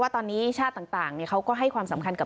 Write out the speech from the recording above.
ตอนนี้ชาติต่างเขาก็ให้ความสำคัญกับ